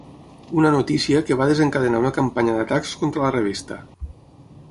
Una notícia que va desencadenar una campanya d’atacs contra la revista.